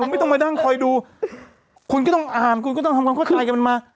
ไม่ต้องมานั่งคอยดูคุณก็ต้องอ่านคุณก็ต้องทำความเข้าใจกับมันมา